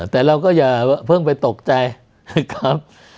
แต่เราก็อย่าเพิ่งไปตกใจนะครับ